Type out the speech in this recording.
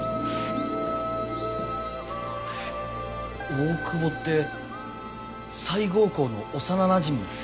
大久保って西郷公の幼なじみの？